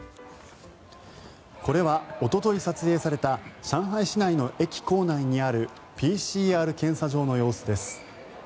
これは、おととい撮影された上海市内の駅構内にあるＰＣＲ検査場の様子です。